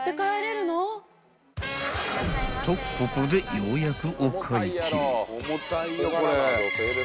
［とここでようやく］